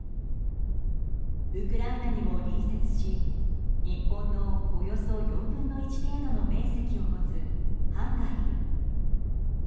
ウクライナにも隣接し日本のおよそ４分の１程度の面積を持つハンガリー。